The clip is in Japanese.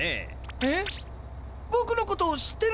えっボクのことを知ってるんですか？